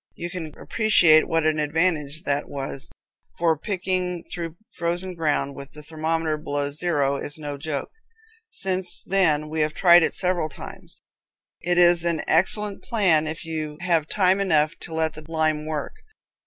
You can appreciate what an advantage that was, for picking through frozen ground, with the thermometer below zero, is no joke. Since then we have tried it several times. It is an excellent plan if you have time enough to let the time work.